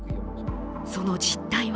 その実態は